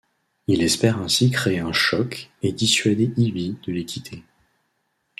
Il espère ainsi créer un choc et dissuader Ivy de les quitter.